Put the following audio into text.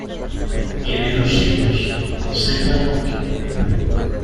Tiene dos hijos: Marcela y Joaquín.